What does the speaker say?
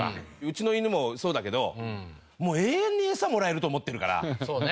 うちの犬もそうだけどもう永遠にエサもらえると思ってるから。